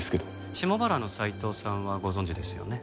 下原の斉藤さんはご存じですよね？